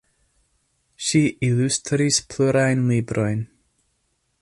Ŝi ilustris plurajn librojn.